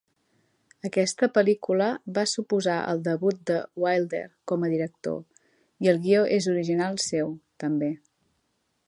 Aquesta pel·lícula va suposar el debut de Wilder com a director, i el guió és original seu, també.